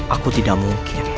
aku tidak mungkin